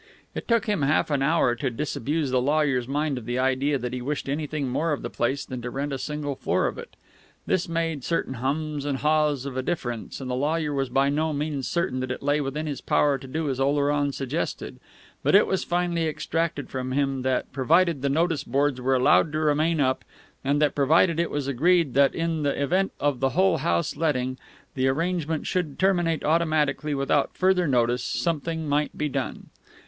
It took him half an hour to disabuse the lawyer's mind of the idea that he wished anything more of the place than to rent a single floor of it. This made certain hums and haws of a difference, and the lawyer was by no means certain that it lay within his power to do as Oleron suggested; but it was finally extracted from him that, provided the notice boards were allowed to remain up, and that, provided it was agreed that in the event of the whole house letting, the arrangement should terminate automatically without further notice, something might be done.